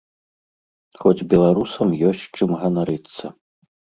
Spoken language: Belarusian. Хоць беларусам ёсць чым ганарыцца.